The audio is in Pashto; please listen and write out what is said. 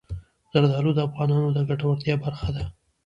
زردالو د افغانانو د ګټورتیا برخه ده.